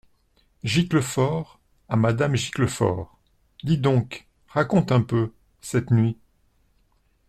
Giclefort, à madame Giclefort. — Dis-donc, raconte un peu, cette nuit…